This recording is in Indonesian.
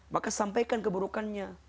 maka sampaikan keburukannya